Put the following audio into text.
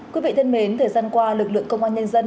quý vị thân mến thời gian qua lực lượng công an nhân dân